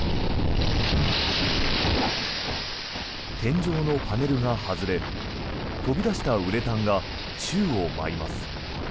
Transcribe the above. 天井のパネルが外れ飛び出したウレタンが宙を舞います。